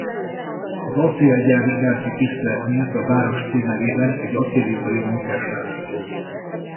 Az acélgyár iránti tisztelet miatt a város címerében egy acélipari munkás látható.